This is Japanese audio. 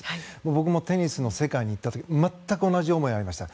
僕もテニスの世界に行った時全く同じ思いがありました。